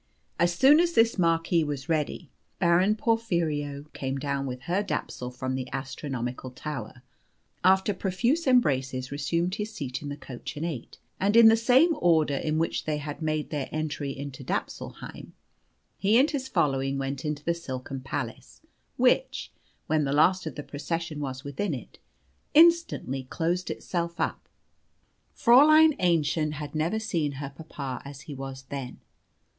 As soon as this marquee was ready, Baron Porphyrio came down with Herr Dapsul from the astronomical tower, after profuse embraces resumed his seat in the coach and eight, and in the same order in which they had made their entry into Dapsulheim, he and his following went into the silken palace, which, when the last of the procession was within it, instantly closed itself up. Fräulein Aennchen had never seen her papa as he was then.